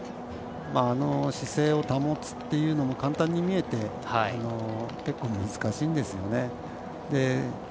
あの姿勢を保つというのも簡単に見えて結構、難しいんですよね。